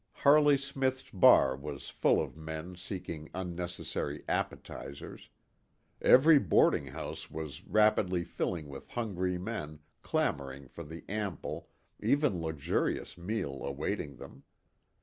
Harley Smith's bar was full of men seeking unnecessary "appetizers." Every boarding house was rapidly filling with hungry men clamoring for the ample, even luxurious meal awaiting them.